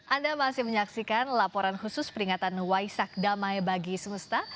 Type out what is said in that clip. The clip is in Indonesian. anda masih menyaksikan laporan khusus peringatan waisak damai bagi semesta